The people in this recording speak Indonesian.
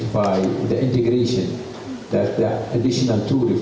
dengan konfigurasi yang benar di kilang celacap